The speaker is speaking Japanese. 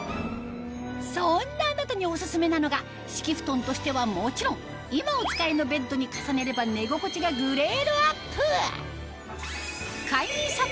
そんなあなたにオススメなのが敷布団としてはもちろん今お使いのベッドに重ねれば寝心地がグレードアップ！